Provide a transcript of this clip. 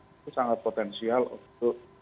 itu sangat potensial untuk